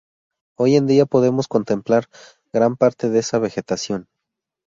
Hoy en día podemos contemplar gran parte de esa vegetación.